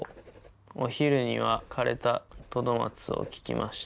お昼には枯れたトドマツを聴きました。